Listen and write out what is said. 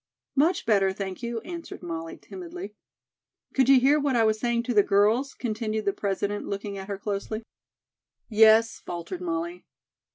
"Much better, thank you," answered Molly, timidly. "Could you hear what I was saying to the girls?" continued the President, looking at her closely. "Yes," faltered Molly.